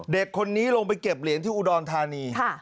เด็กคนนี้ลงไปเก็บเหรียญที่อุดรธานี